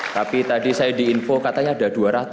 tapi tadi saya diinfo katanya ada dua ratus ya sekarang ya